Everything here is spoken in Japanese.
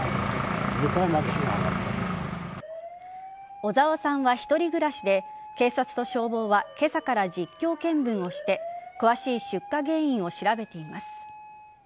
小澤さんは１人暮らしで警察と消防は今朝から実況見分をして詳しい出火原因を調べています。